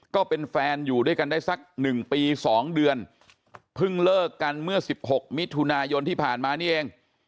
ก็เป็นแฟนอยู่ด้วยกันได้สัก๑ปี๒เดือนเพิ่งเลิกกันเมื่อ๑๖มิถุนายนที่ผ่านมานี่เอง